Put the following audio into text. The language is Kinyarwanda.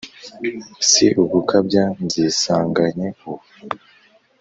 si ugukabya nzisanganye ubu